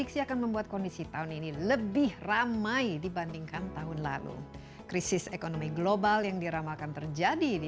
sudah lebih baik dibandingkan sebelumnya